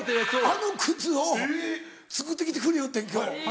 あの靴を作って来てくれよってん今日。